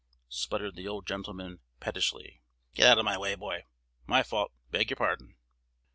sputtered the old gentleman, pettishly. "Get out of my way, boy! My fault! beg your pardon!"